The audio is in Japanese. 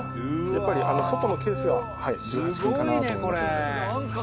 「やっぱり外のケースが１８金かなと思いますので」